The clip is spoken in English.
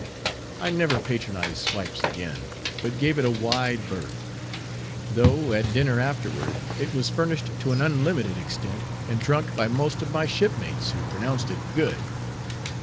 I never patronized swipes again; but gave it a wide berth; though, at dinner afterward, it was furnished to an unlimited extent, and drunk by most of my shipmates, who pronounced it good.